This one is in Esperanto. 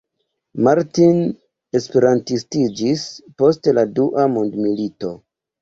Martin esperantistiĝis post la dua mondmilito.